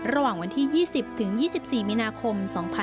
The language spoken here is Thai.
ระหว่างวันที่๒๐ถึง๒๔มีนาคม๒๕๖๒